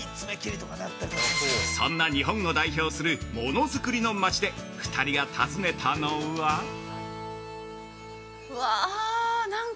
そんな、日本を代表する「ものづくりの町」で、２人が訪ねたのは◆